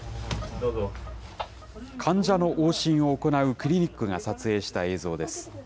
患者の往診を行うクリニックが撮影した映像です。